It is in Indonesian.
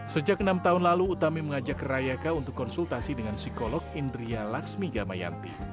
sejak enam tahun lalu utami mengajak rayaka untuk konsultasi dengan psikolog indria laksmi gamayanti